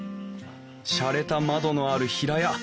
しゃれた窓のある平屋。